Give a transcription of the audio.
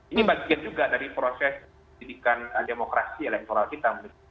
ini bagian juga dari proses pendidikan demokrasi elektoral kita